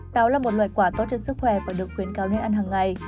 táo là một loại quả tốt cho sức khỏe và được khuyến cáo nên ăn hằng ngày